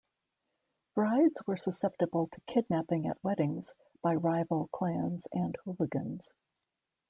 Brides were susceptible to kidnapping at weddings by rival clans and hooligans.